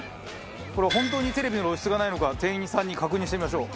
これは本当にテレビでの露出がないのか店員さんに確認してみましょう。